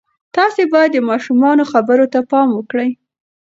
تاسې باید د ماشومانو خبرو ته پام وکړئ.